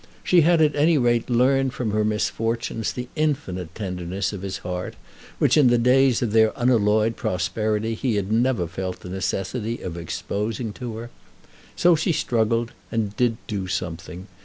She had at any rate learned from her misfortunes the infinite tenderness of his heart, which in the days of their unalloyed prosperity he had never felt the necessity of exposing to her. So she struggled and did do something.